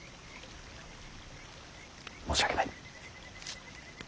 申し訳ない。